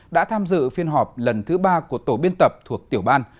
đã tham dự phiên họp lần thứ ba của tổ biên tập thuộc tiểu ban